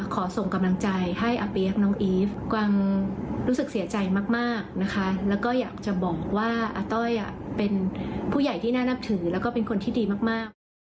ฟังอีฟกวางรู้สึกเสียใจมากแล้วก็อยากจะบอกว่าอาต้อยเป็นผู้ใหญ่ที่น่านับถือแล้วก็เป็นคนที่ดีมาก